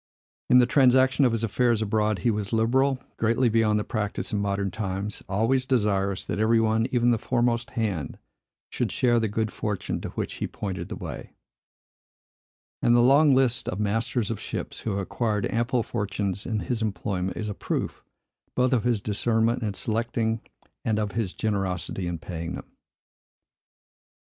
In the transaction of his affairs abroad, he was liberal, greatly beyond the practice in modern times, always desirous that every one, even the foremost hand, should share the good fortune to which he pointed the way; and the long list of masters of ships, who have acquired ample fortunes in his employment, is a proof, both of his discernment in selecting and of his generosity in paying them.